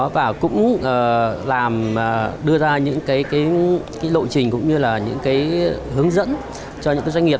và cũng đưa ra những lộ trình cũng như là những hướng dẫn cho những doanh nghiệp